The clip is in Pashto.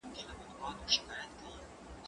زه اوږده وخت ليکنه کوم!.